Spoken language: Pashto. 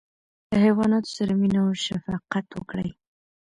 له حیواناتو سره مینه او شفقت وکړئ.